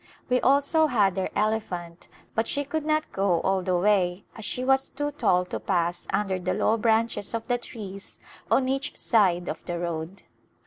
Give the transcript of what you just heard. We also had our elephant, but she could not go all the way as she was too tall to pass under the low branches of the trees on each side of the road.